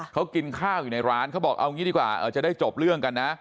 เขากินข้าวอยู่ในร้านเขาบอกเอางี้ดีกว่าจะได้จบเรื่องกันนะ